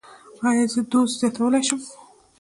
ایا زه دوز زیاتولی شم؟